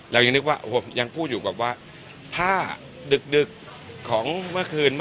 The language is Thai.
เรายังนึกว่ายังพูดอยู่แบบว่าถ้าดึกของเมื่อคืน